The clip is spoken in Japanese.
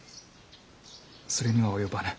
それには及ばぬ。